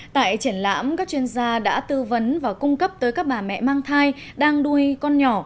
tại triển lãm các chuyên gia đã tư vấn và cung cấp tới các bà mẹ mang thai đang nuôi con nhỏ